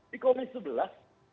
di komis sebelah